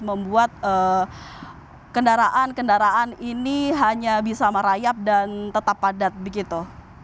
membuat kendaraan kendaraan ini hanya bisa merayap dan tetap padat begitu